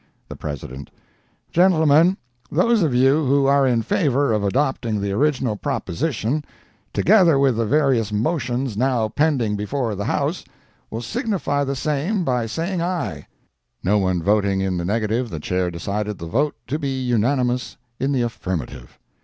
The President—"Gentlemen, those of you who are in favor of adopting the original proposition, together with the various motions now pending before the house, will signify the same by saying aye." No one voting in the negative, the chair decided the vote to be unanimous in the affirmative.